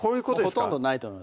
ほとんどないと思います